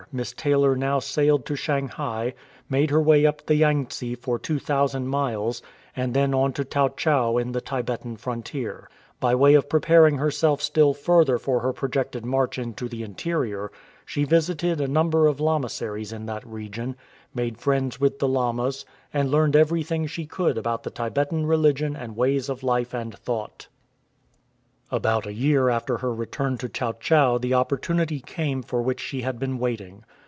Miss Taylor now sailed to Shanghai, made her way up the Yang tse for 2,000 miles, and then on to Tau chau on the Tibetan frontier. By way of preparing herself still further for her projected march into the interior, she visited a number of lamaseries in that region, made friends with the lamas, and learned everything she could about the Tibetan religion and ways of life and thought. 79 THE START FROM TAU CHAU About a year after her return to Tau chau the oppor tunity came for which she had been waiting.